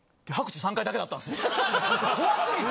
怖すぎて。